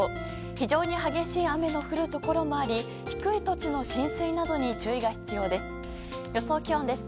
非常に激しい雨の降るところもあり低い土地の浸水などに注意が必要です。